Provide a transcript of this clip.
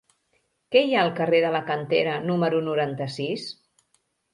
Què hi ha al carrer de la Cantera número noranta-sis?